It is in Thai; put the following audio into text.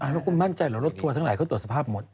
แล้วคุณมั่นใจเหรอรถทัวร์ทั้งหลายเขาตรวจสภาพหมด